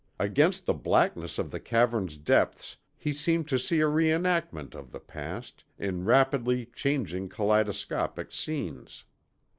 Against the blackness of the cavern's depths he seemed to see a re enactment of the past, in rapidly changing kaleidoscopic scenes.